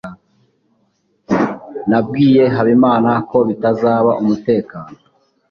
nabwiye habimana ko bitazaba umutekano